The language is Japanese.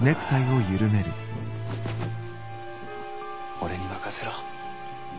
俺に任せろ。